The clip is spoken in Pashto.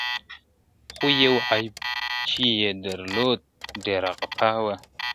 خو یو عیب چي یې درلود ډېره غپا وه ,